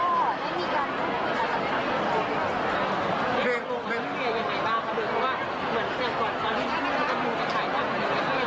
ถ้าอย่างนั้นเรียกตรงเบลเบลใครส่งกันดูก็เลยคิดว่าเออมันติดอะไรอย่างนี้